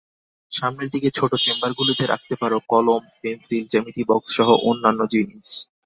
সামনের দিকে ছোট চেম্বারগুলোতে রাখতে পারো কলম, পেনসিল, জ্যামিতি বক্সসহ অন্যান্য জিনিস।